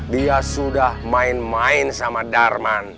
dia sudah main main sama darman